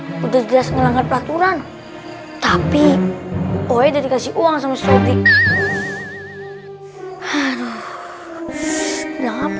sudah jelas melanggar peraturan tapi oleh dikasih uang demi sebolding